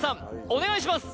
お願いします